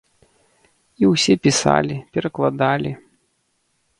І ўсе пісалі, перакладалі.